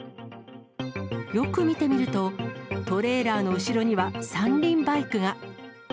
よく見てみると、トレーラーの後ろには三輪バイクが。